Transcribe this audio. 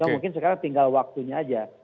mungkin sekarang tinggal waktunya aja